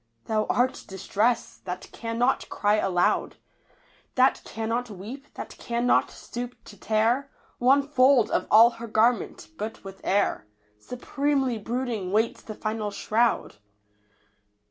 Thou art Distress — ^that cannot cry alou<^ That cannot weep, that cannot stoop to tear One fold of all her garment, but with air Supremely brooding waits the final shroud